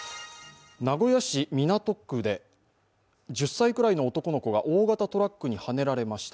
名古屋市港区で１０歳くらいの男の子が大型トラックにはねられました。